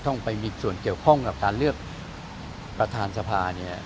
ต้องไปมีส่วนเกี่ยวข้องกับการเลือกประธานสภาเนี่ย